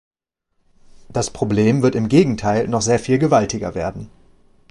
Das Problem wird im Gegenteil noch sehr viel gewaltiger werden.